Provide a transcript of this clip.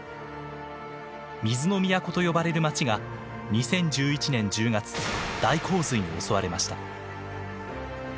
水の都と呼ばれる町が２０１１年１０月大洪水に襲われました。